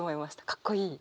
かっこいい。